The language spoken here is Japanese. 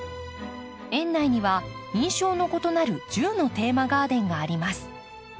園内には印象の異なる１０のテーマガーデンがあります。